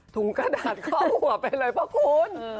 กระดาษเข้าหัวไปเลยเพราะคุณ